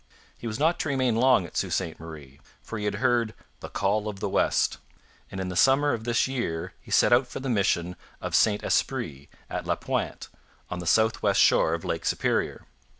He was not to remain long at Sault Ste Marie; for he had heard 'the call of the west'; and in the summer of this year he set out for the mission of St Esprit, at La Pointe, on the south west shore of Lake Superior.